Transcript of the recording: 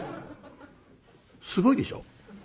すごいでしょ？ねえ。